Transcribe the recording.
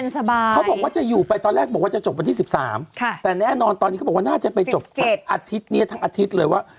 สวัสดีค่าข้าวไสค่ะสดใหม่ว